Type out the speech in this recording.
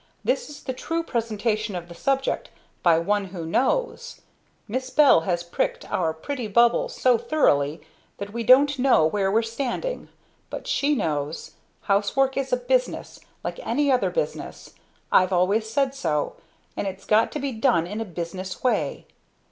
This is the true presentation of the subject, 'by one who knows.' Miss Bell has pricked our pretty bubble so thoroughly that we don't know where we're standing but she knows! Housework is a business like any other business I've always said so, and it's got to be done in a business way.